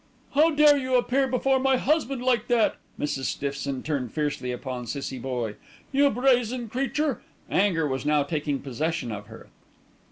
"How dare you appear before my husband like that!" Mrs. Stiffson turned fiercely upon Cissie Boye. "You brazen creature!" anger was now taking possession of her.